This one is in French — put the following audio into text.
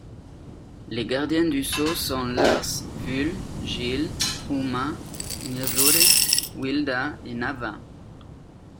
Les Gardiens du Sceau sont Lars, Vul, Jeal, Uma, Nirude, Wilda et Nava.